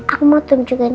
aku mau tunjungin